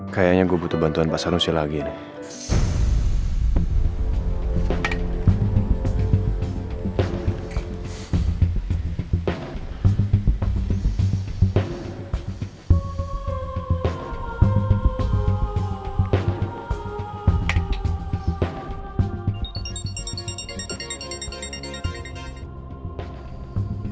kayaknya gue butuh bantuan pak sanusi lagi nih